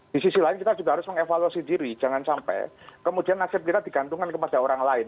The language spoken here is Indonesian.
di sisi lain kita juga harus mengevaluasi diri jangan sampai kemudian nasib kita digantungkan kepada orang lain